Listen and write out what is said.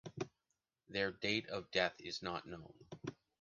Their date of death is not known.